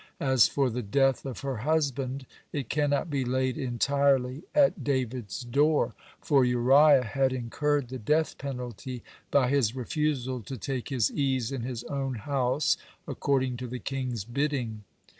As for the death of her husband, it cannot be laid entirely at David's door, for Uriah had incurred the death penalty by his refusal to take his ease in his own house, according to the king's bidding.